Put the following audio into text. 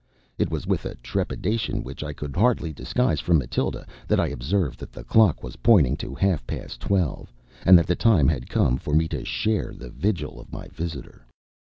It was with a trepidation which I could hardly disguise from Matilda that I observed that the clock was pointing to half past twelve, and that the time had come for me to share the vigil of my visitor.